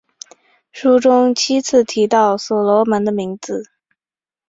书中七次提到所罗门的名字。